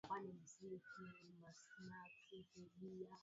ambe amesema kuwa kile ambacho kimesababisha yeye kuwa bingwa msimu huu